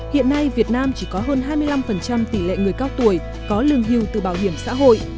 hiện nay việt nam chỉ có hơn hai mươi năm tỷ lệ người cao tuổi có lương hưu từ bảo hiểm xã hội